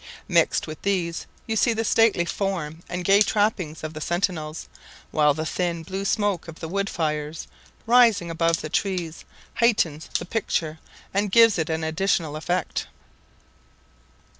Mixed with these you see the stately form and gay trappings of the sentinels, while the thin blue smoke of the wood fires, rising above the trees, heightens the picture and gives it an additional effect.